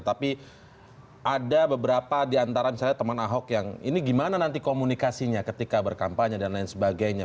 tapi ada beberapa di antara misalnya teman ahok yang ini gimana nanti komunikasinya ketika berkampanye dan lain sebagainya